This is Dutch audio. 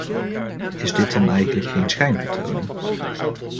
Is dit dan eigenlijk geen schijnvertoning?